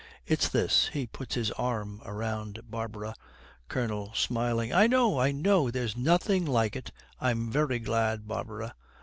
It's this.' He puts his arm round Barbara. COLONEL, smiling, 'I know I know. There's nothing like it. I'm very glad, Barbara.'